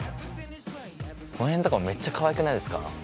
この辺とかもめっちゃかわいくないですか？